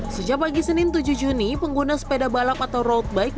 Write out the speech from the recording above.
sejak pagi senin tujuh juni pengguna sepeda balap atau road bike